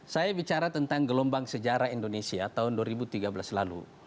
saya bicara tentang gelombang sejarah indonesia tahun dua ribu tiga belas lalu